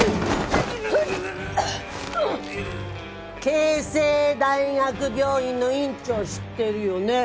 慶西大学病院の院長知ってるよね？